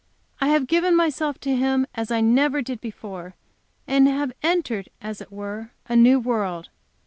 I have given myself to Him as I never did before, and have entered, as it were, a new world.